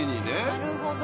なるほど。